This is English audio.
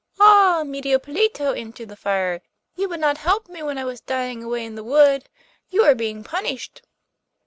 'Ah! Medio Pollito,' answered the fire, 'you would not help me when I was dying away in the wood. You are being punished.